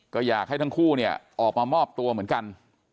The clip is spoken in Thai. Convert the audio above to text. ก็อยากให้ทั้งคู่เนี่ยออกมามอบตัวเหมือนกัน